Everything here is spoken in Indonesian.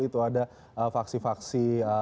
itu ada faksi faksi